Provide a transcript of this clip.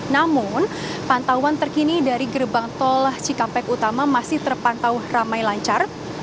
namun pantauan terkini dari gerbang tol cikampek utama masih terpantau ramai lancar